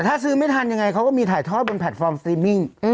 ถ้าซื้อไม่ทันยังไงเขาก็มีถ่ายทอดบนแพลตฟอร์มสตรีมมิ่ง